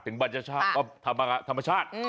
ถึงบาลญาชาติธรรมชาติ